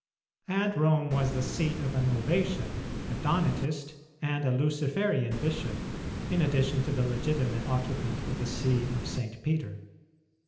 And Rome was the seat of a Novatian, a Donatist, and a Luciferian bishop, in addition to the legitimate occupant of the See of St. Peter.